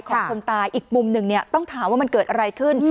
คนตายอีกมุมหนึ่งเนี่ยต้องถามว่ามันเกิดอะไรขึ้น